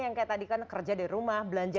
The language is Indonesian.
yang kayak tadi kan kerja dari rumah belanja